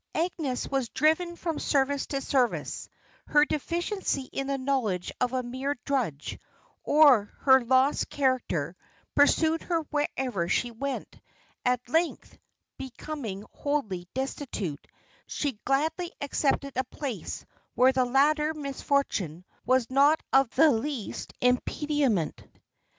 Agnes was driven from service to service her deficiency in the knowledge of a mere drudge, or her lost character, pursued her wherever she went at length, becoming wholly destitute, she gladly accepted a place where the latter misfortune was not of the least impediment.